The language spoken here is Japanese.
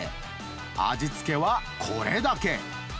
味付けはこれだけ。